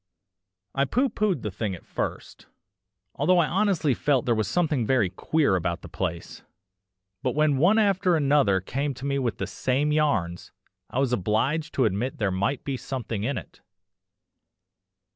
I pooh poohed the thing at first, although I honestly felt there was something very queer about the place, but when one after another came to me with the same yarns, I was obliged to admit there might be something in it.